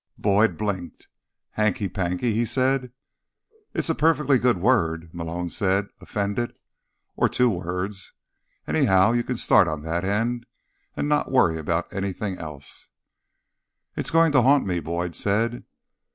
Boyd blinked. "Hanky panky?" he said. "It's a perfectly good word," Malone said, offended. "Or two words. Anyhow, you can start on that end, and not worry about anything else." "It's going to haunt me," Boyd said.